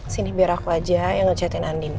sini biar aku aja yang ngecetin andin